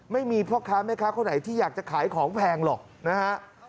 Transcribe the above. ไม่มีพ่อค้าแม่ค้าคนไหนที่อยากจะขายของแพงหรอกนะฮะ